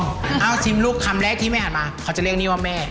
เอ้าชิมลูกคำแรกที่แม่หันมาเขาจะเรียกนี่ว่าแม่